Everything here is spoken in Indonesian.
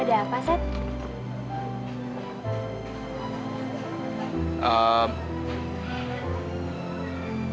ada apa seth